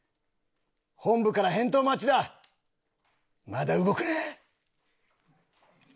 本部から返答待ちだまだ動くな！